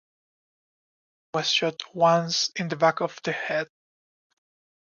He was shot once in the back of the head.